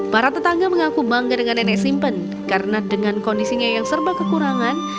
para tetangga mengaku bangga dengan nenek simpen karena dengan kondisinya yang serba kekurangan